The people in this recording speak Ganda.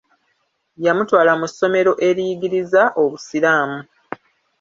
Yamutwala mu ssomero eriyigiriza obusiraamu.